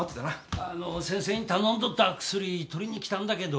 あの先生に頼んどった薬取りに来たんだけど？